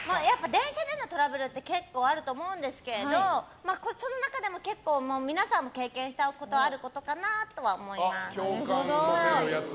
電車でのトラブルって結構あると思うんですけどその中でも結構、皆さんも経験したことあることかなとは共感持てるやつ？